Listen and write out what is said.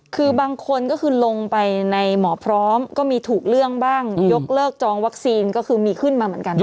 คือบางคนก็คือลงไปในหมอพร้อมก็มีถูกเรื่องบ้างยกเลิกจองวัคซีนก็คือมีขึ้นมาเหมือนกัน